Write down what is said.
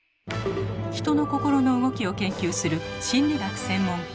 人の心の動きを研究する心理学専門家